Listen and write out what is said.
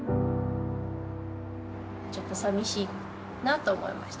ちょっとさみしいなと思いましたかね。